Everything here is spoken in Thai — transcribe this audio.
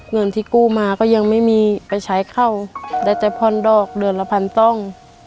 เงินที่กู้มาก็ยังไม่มีไปใช้เข้าได้แต่ผ่อนดอกเดือนละพันต้อง